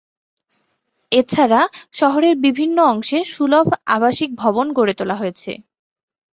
এছাড়া শহরের বিভিন্ন অংশে সুলভ আবাসিক ভবন গড়ে তোলা হয়েছে।